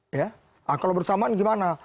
ya kalau bersamaan gimana